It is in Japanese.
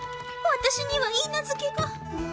「私にはいいなずけが」